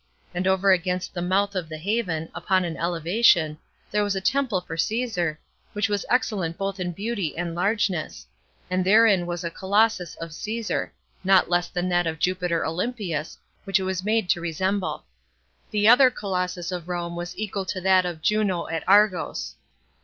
And over against the mouth of the haven, upon an elevation, there was a temple for Caesar, which was excellent both in beauty and largeness; and therein was a Colossus of Caesar, not less than that of Jupiter Olympius, which it was made to resemble. The other Colossus of Rome was equal to that of Juno at Argos.